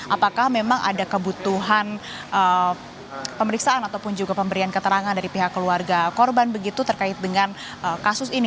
apakah memang ada kebutuhan pemeriksaan ataupun juga pemberian keterangan dari pihak keluarga korban begitu terkait dengan kasus ini